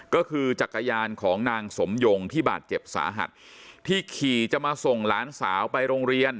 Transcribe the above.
ก็คือจักรยานของนางสมยงที่บาดเจ็บสาหัสที่ขี่จะมาส่งหลานสาวไปโรงเรียน